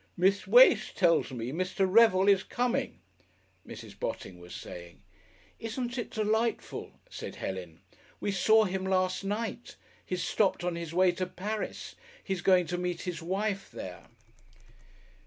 "Miss Wace tells me Mr. Revel is coming," Mrs. Botting was saying. "Isn't it delightful?" said Helen. "We saw him last night. He's stopped on his way to Paris. He's going to meet his wife there."